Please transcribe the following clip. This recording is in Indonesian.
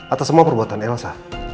atas semua perbuatan elsa